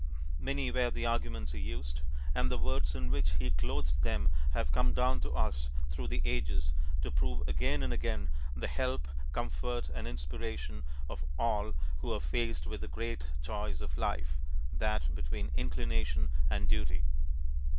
Many were the arguments he used, and the words in which he clothed them have come down to us through the ages to prove again and again the help, comfort, and inspiration of all who are faced with the great choice of life, that between Inclination and Duty.